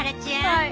はい。